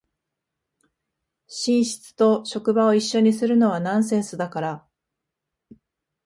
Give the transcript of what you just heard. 寝室と職場を一緒にするのはナンセンスだから